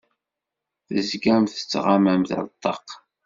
Tezgamt tettɣamamt ar ṭṭaq.